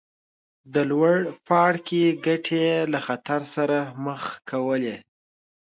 د لوړ پاړکي ګټې یې له خطر سره مخ کولې.